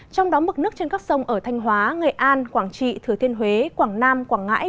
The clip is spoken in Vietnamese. trong đó mực nước trên các sông ở thanh hóa nghệ an quảng trị thừa thiên huế quảng nam quảng ngãi